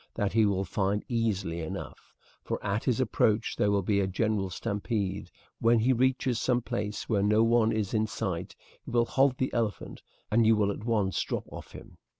That he will find easily enough, for at his approach there will be a general stampede. When he reaches some place where no one is in sight he will halt the elephant and you will at once drop off him.